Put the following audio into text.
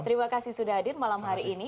terima kasih sudah hadir malam hari ini